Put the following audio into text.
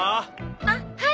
あっはい。